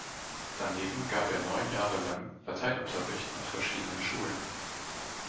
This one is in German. Daneben gab er neun Jahre lang Lateinunterricht an verschiedenen Schulen.